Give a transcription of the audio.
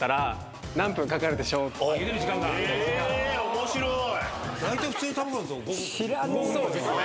面白い。